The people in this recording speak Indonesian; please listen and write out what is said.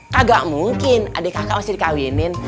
kagak mungkin adik kakak masih dikawinin